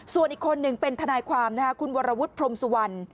ส่วนอีกคนหนึ่งเป็นทนายความคุณวรวุฒิพรมสุวรรณ